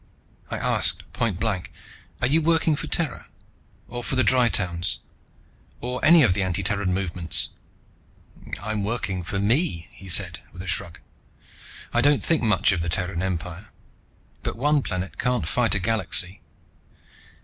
I asked point blank, "Are you working for Terra? Or for the Dry towns? Or any of the anti Terran movements?" "I'm working for me", he said with a shrug. "I don't think much of the Terran Empire, but one planet can't fight a galaxy.